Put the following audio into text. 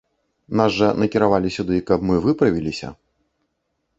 Нас жа накіравалі сюды, каб мы выправіліся.